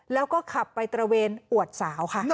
แล้วก็ขับไปตระเวนอวดสาวค่ะ